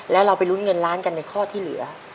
แล้วเราไปลุ้นเงินล้านกันในข้อที่เหลือ